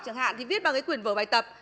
chẳng hạn thì viết bằng cái quyền vở bài tập